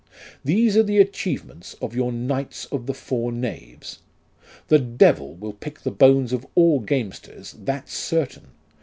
These are the achieve ments of your Knights of the four Knaves. The Devil will pick the bones of all gamesters, that's certain.